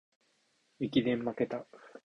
駅伝まけた